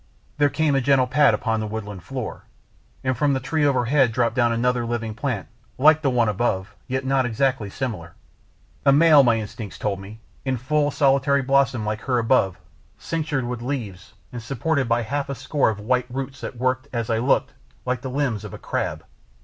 There came a gentle pat upon the woodland floor, and from a tree overhead dropped down another living plant like to the one above yet not exactly similar, a male, my instincts told me, in full solitary blossom like her above, cinctured with leaves, and supported by half a score of thick white roots that worked, as I looked, like the limbs of a crab.